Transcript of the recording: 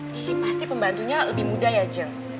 pasti pembantunya lebih muda ya jeng